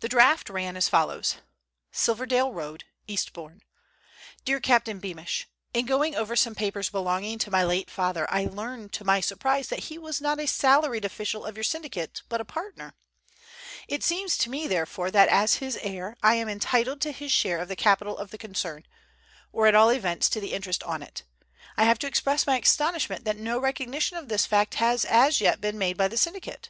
The draft ran as follows: "SILVERDALE ROAD, "EASTBOURNE. "DEAR CAPTAIN BEAMISH,—In going over some papers belonging to my late father, I learn to my surprise that he was not a salaried official of your syndicate, but a partner. It seems to me, therefore, that as his heir I am entitled to his share of the capital of the concern, or at all events to the interest on it. I have to express my astonishment that no recognition of this fact has as yet been made by the syndicate.